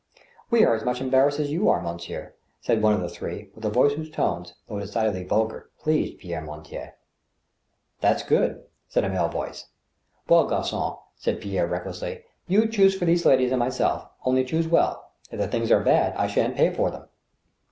" We are as much embarrassed as you are, monsieur," said one of the three, with a voice whose tones, though decidedly vulgar, pleased Pierre Mortier. 26 THE STEEL HAMMER. " That's gopd," said a male voice. " Well, gargon" said Pierre, recklessly, " you choose for these ladies and myself, only choose well ; if the things are bad, I shan't pay iox them."